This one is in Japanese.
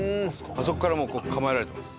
あそこからもう構えられてます。